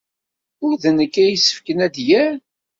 Ur d nekk ay yessefken ad d-yerr.